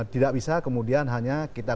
tidak bisa kemudian hanya kita